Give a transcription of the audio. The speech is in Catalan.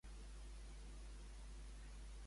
I què ha contestat Soler?